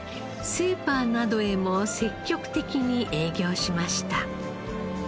スーパーなどへも積極的に営業しました。